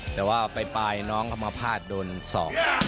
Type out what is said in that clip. แต่ว่าไปปลายน้องธรรมภาษณ์โดนสอบ